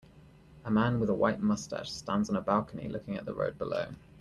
A man with a white mustache stands on a balcony looking at the road below.